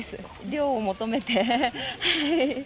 涼を求めて。